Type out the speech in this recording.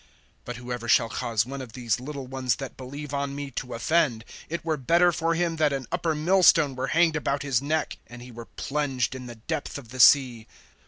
(6)But whoever shall cause one of these little ones that believe on me to offend, it were better for him that an upper millstone were hanged about his neck, and he were plunged in the depth of the sea.